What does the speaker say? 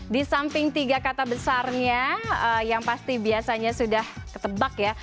di samping tiga kata besarnya yang pasti biasanya sudah ketebak ya